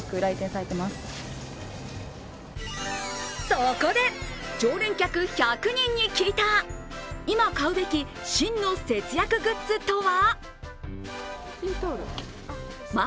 そこで、常連客１００人に聞いた今買うべき、真の節約グッズとは。